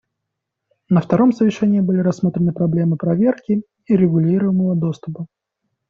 На втором совещании были рассмотрены проблемы проверки и регулируемого доступа.